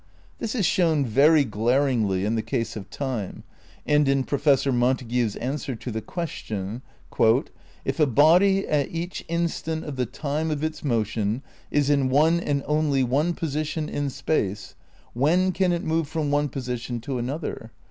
This is shown very glaringly in the case of time, and in Professor Montague's answer to the question: " 'If a body at each instant of the time of its motion is in one and only one position in space, when can it move from one position to another?'